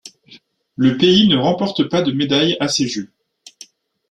Le pays ne remporte pas de médaille à ces jeux.